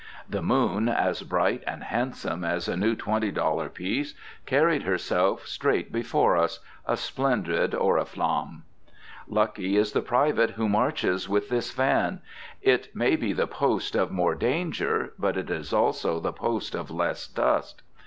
The moon, as bright and handsome as a new twenty dollar piece, carried herself straight before us, a splendid oriflamme. Lucky is the private who marches with the van! It may be the post of more danger, but it is also the post of less dust.